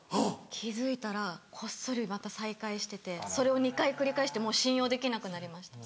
気付いたらこっそり再開しててそれを２回繰り返してもう信用できなくなりました。